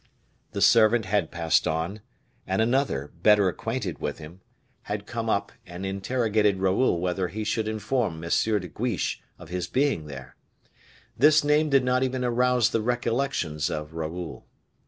The servant had passed on, and another, better acquainted with him, had come up, and interrogated Raoul whether he should inform M. de Guiche of his being there. This name did not even arouse the recollections of Raoul.